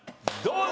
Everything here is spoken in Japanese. どう？